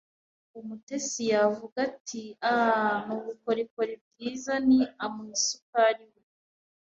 Umutetsi yavuga ati: "Ah, ni ubukorikori bwiza, ni.", Amuha isukari iwe